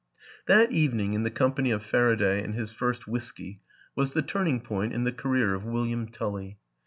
That evening in the company of Faraday and his first whisky was the turning point in the career of William Tully.